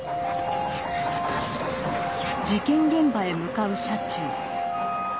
事件現場へ向かう車中。